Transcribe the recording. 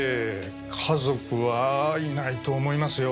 家族はいないと思いますよ。